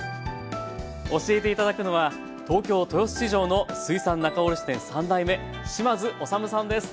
教えて頂くのは東京豊洲市場の水産仲卸店３代目島津修さんです。